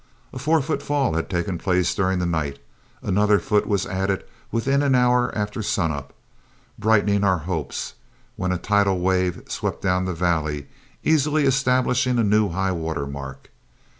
A four foot fall had taken place during the night, another foot was added within an hour after sun up, brightening our hopes, when a tidal wave swept down the valley, easily establishing a new high water mark.